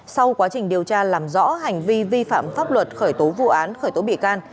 sau quá trình điều tra làm rõ hành vi vi phạm pháp luật khởi tố vụ án khởi tố bị can